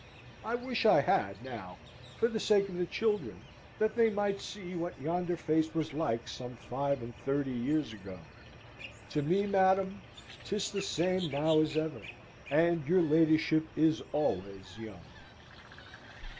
I wish I had now, for the sake of the children, that they might see what yonder face was like some five and thirty years ago. To me, madam, 'tis the same now as ever; and your ladyship is always young!